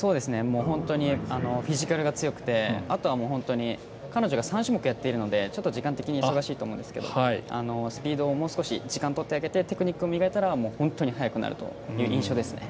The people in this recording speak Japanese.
本当にフィジカルが強くてあとは、本当に彼女が３種目やっているのでちょっと時間的に忙しいと思うんですけどスピードも、もう少し時間とってあげてテクニックを磨いてあげたら本当に速くなる印象ですね。